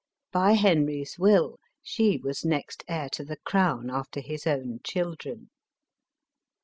By Henry's will, she was next heir to the crown after his own children.